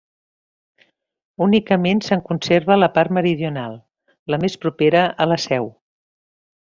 Únicament se'n conserva la part meridional, la més propera a la seu.